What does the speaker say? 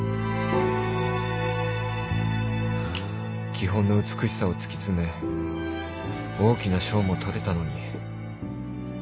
基本の美しさを突き詰め大きな賞も取れたのに